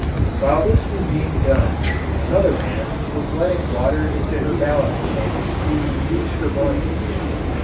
While this was being done another man was letting water into her ballast tanks to reduce her buoyancy.